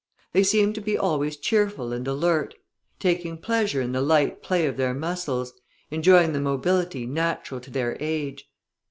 They seemed to be always cheerful and alert; taking pleasure in the light play of their muscles, enjoying the mobility natural to their age.